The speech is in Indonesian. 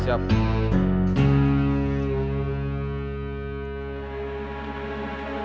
kita dapat tugas dari kang mus